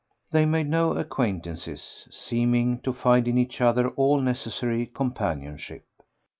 They made no acquaintances, seeming to find in each other all necessary companionship.